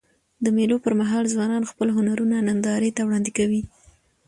د مېلو پر مهال ځوانان خپل هنرونه نندارې ته وړاندي کوي.